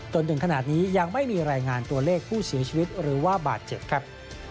จนถึงขนาดนี้ยังไม่มีรายงานตัวเลขผู้เสียชีวิตหรือว่าบาดเจ็บครับ